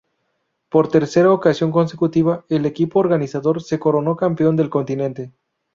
Por tercera ocasión consecutiva, el equipo organizador, se coronó campeón del continente.